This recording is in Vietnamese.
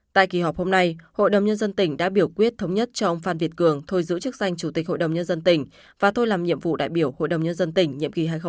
tại kỳ họp hôm nay hội đồng nhân dân tỉnh đã biểu quyết thống nhất cho ông phan việt cường thôi giữ chức danh chủ tịch hội đồng nhân dân tỉnh và thôi làm nhiệm vụ đại biểu hội đồng nhân dân tỉnh nhiệm kỳ hai nghìn một mươi sáu hai nghìn hai mươi một